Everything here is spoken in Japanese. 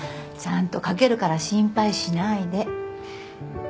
ちゃんとかけるから心配しないで。